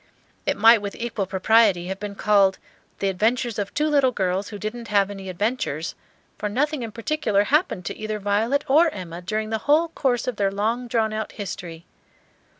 It might with equal propriety have been called "The Adventures of two little Girls who didn't have any Adventures," for nothing in particular happened to either Violet or Emma during the whole course of their long drawn out history.